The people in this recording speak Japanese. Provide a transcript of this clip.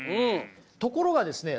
ところがですね